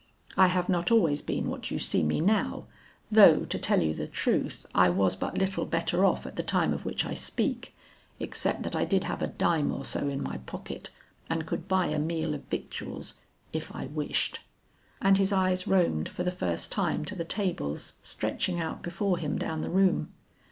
I have not always been what you see me now, though to tell you the truth, I was but little better off at the time of which I speak, except that I did have a dime or so in my pocket, and could buy a meal of victuals if I wished.' And his eyes roamed for the first time to the tables stretching out before him down the room.